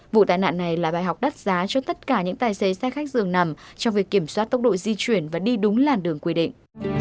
vụ tai nạn này là bài học đắt giá cho tất cả những tài xế xe khách dường nằm trong việc kiểm soát tốc độ di chuyển và đi đúng làn đường quy định